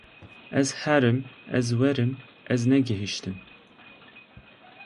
Ez herim, ez werim, ez ne gehîştim